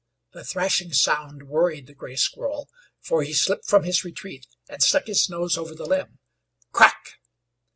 The thrashing sound worried the gray squirrel, for he slipped from his retreat and stuck his nose over the limb. CRACK!